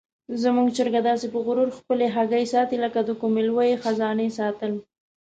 زموږ چرګه داسې په غرور خپلې هګۍ ساتي لکه د کومې لویې خزانې ساتل.